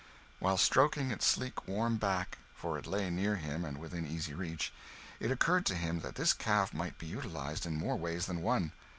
While stroking its sleek warm back for it lay near him and within easy reach it occurred to him that this calf might be utilised in more ways than one.